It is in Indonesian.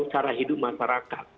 cara hidup masyarakat